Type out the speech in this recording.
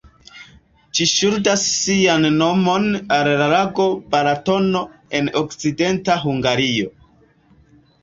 Ĝi ŝuldas sian nomon al la lago Balatono, en okcidenta Hungario.